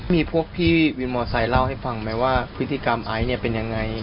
มีพวกพี่วินมอไซค์เล่าให้ฟังไหมว่าพฤติกรรมไอซ์เนี่ยเป็นยังไง